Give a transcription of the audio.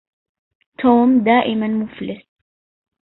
توم دائما مفلس.